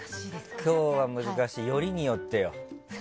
今日は難しいよりによってよ。